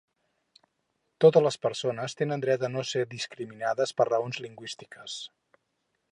Totes les persones tenen dret a no ésser discriminades per raons lingüístiques.